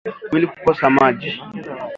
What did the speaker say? Mwili kukosa maji